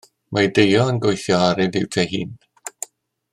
Mae Deio yn gweithio ar ei liwt ei hun.